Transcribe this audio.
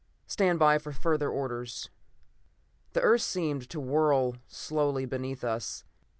Stand by for further orders." The earth seemed to whirl slowly beneath us.